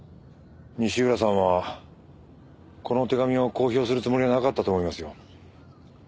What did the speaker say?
西浦さんはこの手紙を公表するつもりはなかったと思いますよ。